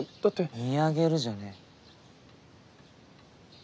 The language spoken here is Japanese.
「見上げる」じゃねぇ。